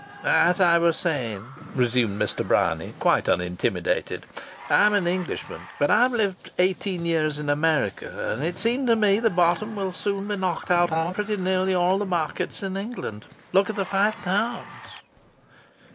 "As I was saying," resumed Mr. Bryany, quite unintimidated, "I'm an Englishman. But I've lived eighteen years in America, and it seems to me the bottom will soon be knocked out of pretty nearly all the markets in England. Look at the Five Towns!"